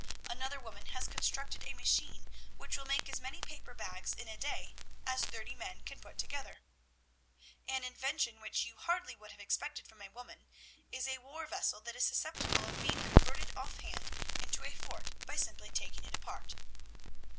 "'Another woman has constructed a machine which will make as many paper bags in a day as thirty men can put together.' "'An invention which you hardly would have expected from a woman, is a war vessel that is susceptible of being converted off hand into a fort by simply taking it apart.'